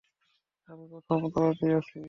আমি প্রথম তলাতেই আছি।